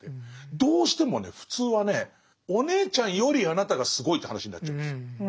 どうしてもね普通はねお姉ちゃんよりあなたがすごいって話になっちゃうんですよ。